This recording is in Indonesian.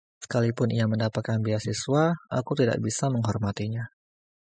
Sekalipun ia mendapatkan beasiswa, aku tidak bisa menghormatinya.